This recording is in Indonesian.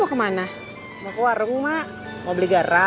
makundi ultra honitra